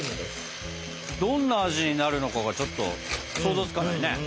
どんな味になるのかがちょっと想像つかないね。